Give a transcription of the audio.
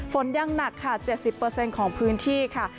ฝนยังหนักค่ะ๗๐ของพื้นที่ค่ะ